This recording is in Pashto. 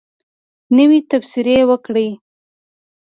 نوی تبصرې وکړئ